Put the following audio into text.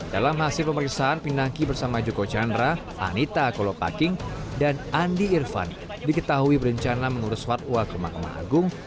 dalam hasil pemeriksaan pinangki bersama joko chandra anita kolopaking dan andi irfan diketahui berencana mengurus fatwa ke mahkamah agung